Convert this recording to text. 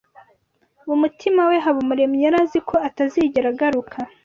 Mu mutima we, Habumuremyi yari azi ko atazigera agaruka